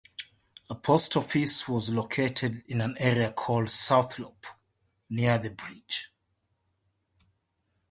A post office was located in an area called South Loup, near the bridge.